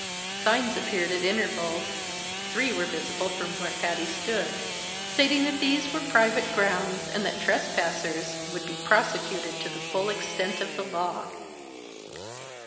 Signs appeared at intervals three were visible from where Patty stood stating that these were private grounds, and that trespassers would be prosecuted to the full extent of the law.